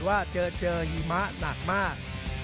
ว่าเจอหิมะหนักมาก